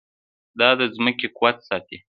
دا د ځمکې قوت ساتي.